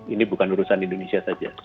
ini bukan urusan indonesia saja